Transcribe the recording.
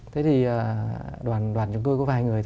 thế thì đoàn chúng tôi có vài người